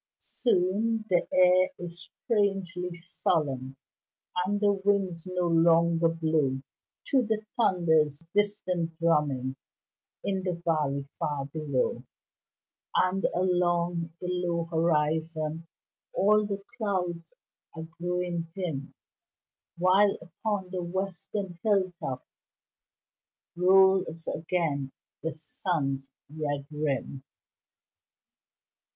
Soon the air is strangely solemn And the winds no longer blow To the thunder's distant drumming In the valley far below; And along the low horizon All the clouds are growing dim, While upon the western hilltops Rolls again the sun's red rim.